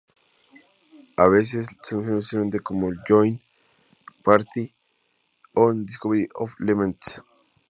A veces se le menciona oficialmente como Joint Working Party on Discovery of Elements.